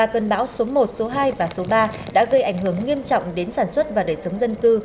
cơn bão số một số hai và số ba đã gây ảnh hưởng nghiêm trọng đến sản xuất và đời sống dân cư